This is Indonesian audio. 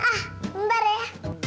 ah bentar ya